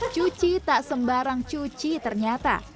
cuci tak sembarang cuci ternyata